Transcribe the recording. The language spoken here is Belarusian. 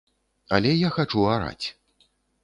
Але я хачу араць.